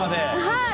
はい！